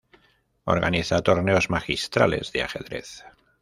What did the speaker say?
Organiza Torneos Magistrales de Ajedrez.